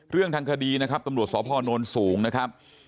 เรื่องทางคดีนะครับตำรวจสพนสูงนะครับ